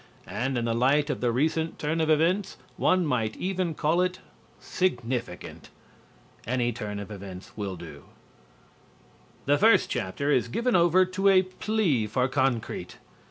And in the light of the recent turn of events one might even call it significant. (Any turn of events will do.) The first chapter is given over to a plea for concrete.